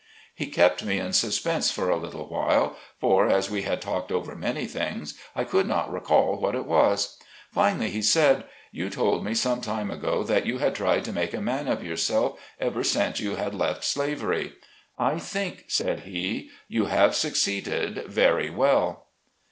He kept me in suspense for a little while, for, as we had talked over many things, I could not recall what it was. Finally, he said, " You told me some time ago that you had tried to make a man of yourself ever since you had left slavery. I think," said he, "you have succeeded very well."